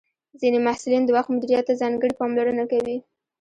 ځینې محصلین د وخت مدیریت ته ځانګړې پاملرنه کوي.